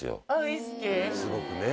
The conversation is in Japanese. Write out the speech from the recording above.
すごくねえ？